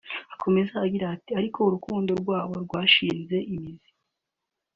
Akomeza agira ati « ariko iyo urukundo rwabo rwashinze imizi